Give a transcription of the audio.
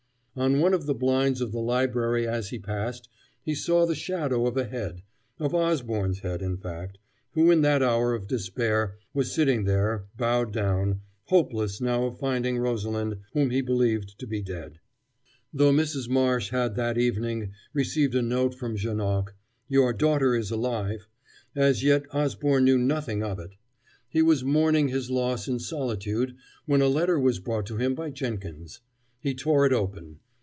On one of the blinds of the library as he passed he saw the shadow of a head of Osborne's head in fact, who in that hour of despair was sitting there, bowed down, hopeless now of finding Rosalind, whom he believed to be dead. Though Mrs. Marsh had that evening received a note from Janoc: "Your daughter is alive," as yet Osborne knew nothing of it. He was mourning his loss in solitude when a letter was brought to him by Jenkins. He tore it open.